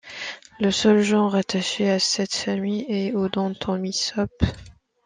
Le seul genre rattaché à cette famille est Odontomysops.